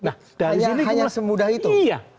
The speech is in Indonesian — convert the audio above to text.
hanya semudah itu iya